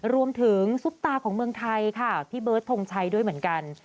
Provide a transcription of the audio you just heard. ซุปตาของเมืองไทยค่ะพี่เบิร์ดทงชัยด้วยเหมือนกัน